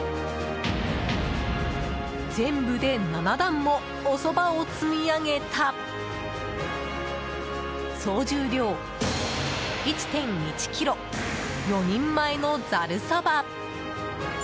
全部で７段もおそばを積み上げた総重量１．１ｋｇ４人前のざるそば。